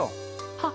はっ！